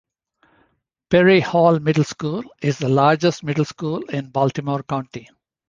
Perry Hall Middle School is the largest middle school in Baltimore County.